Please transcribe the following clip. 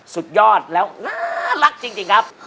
สุดยอดแล้วน่ารักจริงครับ